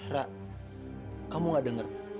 rangga kamu gak denger